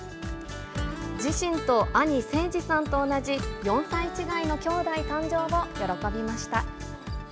自身と兄、せいじさんと同じ４歳違いの兄弟誕生を喜びました。